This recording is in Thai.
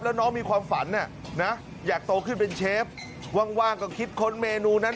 แล้วน้องมีความฝันอยากโตขึ้นเป็นเชฟว่างก็คิดค้นเมนูนั้น